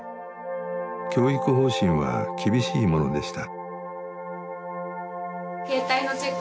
教育方針は厳しいものでした。